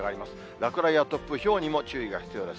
落雷や突風、ひょうにも注意が必要です。